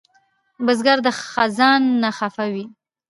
بزګر د خزان نه خفه وي